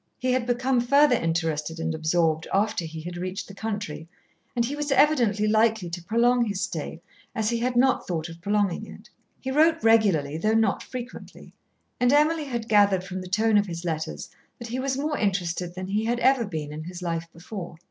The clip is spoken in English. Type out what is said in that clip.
He had become further interested and absorbed after he had reached the country, and he was evidently likely to prolong his stay as he had not thought of prolonging it. He wrote regularly though not frequently, and Emily had gathered from the tone of his letters that he was more interested than he had ever been in his life before.